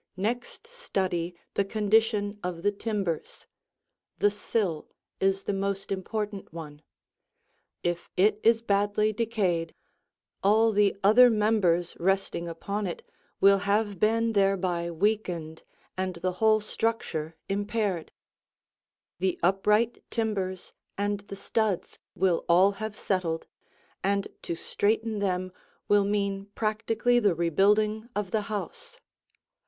Next study the condition of the timbers. The sill is the most important one. If it is badly decayed, all the other members resting upon it will have been thereby weakened and the whole structure impaired. The upright timbers and the studs will all have settled, and to straighten them will mean practically the rebuilding of the house.